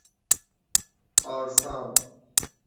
آرسام